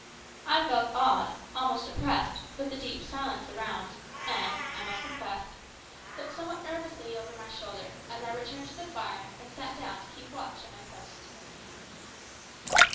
I felt awed, almost oppressed, with the deep silence around, and, I must confess, looked somewhat nervously over my shoulder as I returned to the fire and sat down to keep watch at my post.